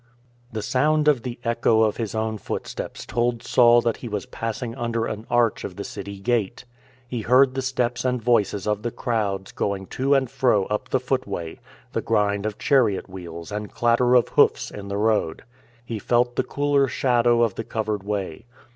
The sound of the echo of his own footsteps told Saul that he was passing under an arch of the city gate. He heard the steps and voices of the crowds going to and fro up the footway; the grind of chariot wheels and clatter of hoofs in the road. He felt the cooler shadow of the covered way.